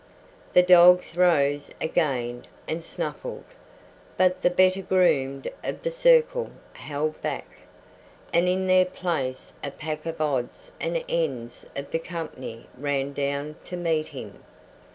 The dogs rose again and snuffled, but the better groomed of the circle held back, and in their place a pack of odds and ends of the company ran down to meet him.